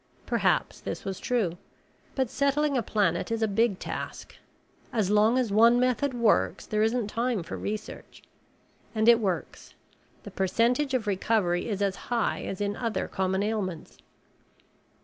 Perhaps this was true. But settling a planet is a big task. As long as one method works there isn't time for research. And it works the percentage of recovery is as high as in other common ailments.